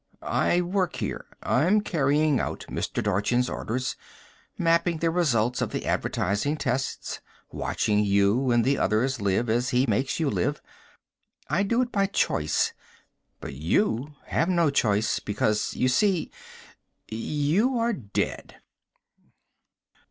I work here. I'm carrying out Mr. Dorchin's orders, mapping the results of the advertising tests, watching you and the others live as he makes you live. I do it by choice, but you have no choice. Because, you see, you are dead."